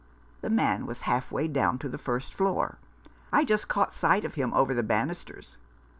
The man was halfway down to the first floor. I just caught sight of him over the banisters.